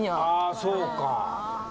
あそうか。